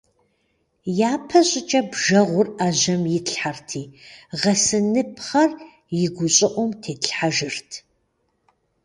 ЯпэщӀыкӀэ бжэгъур Ӏэжьэм итлъхьэрти, гъэсыныпхъэр и гущӀыӀум тетлъхьэжырт.